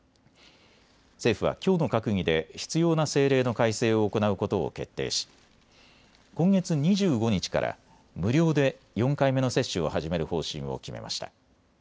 政府はきょうの閣議で必要な政令の改正を行うことを決定し今月２５日から無料で４回目の接種を始める方針を決めました。